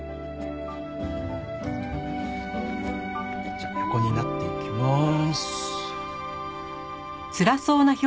じゃあ横になっていきます。